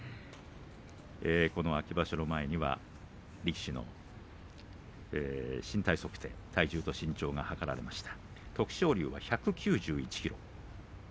秋場所の前には力士の身体測定体重と身長が計られました。